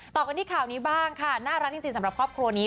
ต่อกันที่ข่าวนี้บ้างค่ะน่ารักจริงสำหรับครอบครัวนี้